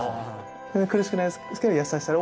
苦しくないんですけど優しさで。